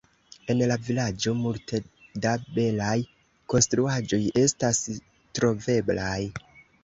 En la vilaĝo multe da belaj konstruaĵoj estas troveblaj.